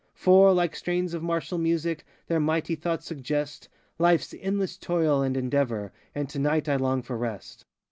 For, like strains of martial music, Their mighty thoughts suggest LifeŌĆÖs endless toil and endeavor; And to night I long for rest.